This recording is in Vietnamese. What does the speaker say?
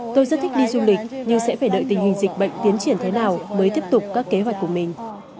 tôi rất thích đi du lịch nhưng sẽ phải đợi tình hình dịch bệnh tiến triển thế nào mới tiếp tục các kế hoạch của mình